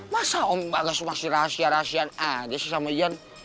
masa om bagas masih rahasia rahasiaan aja sih sama yen